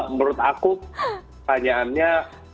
menurut aku pertanyaannya